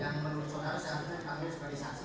yang menurut saudara seharusnya diambil sebagai saksi